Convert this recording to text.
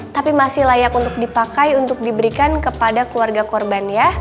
tapi masih layak untuk dipakai untuk diberikan kepada keluarga korban ya